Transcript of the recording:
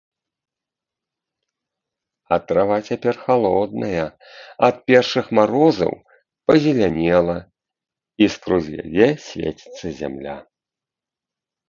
А трава цяпер халодная, ад першых марозаў пазелянела, і скрозь яе свеціцца зямля.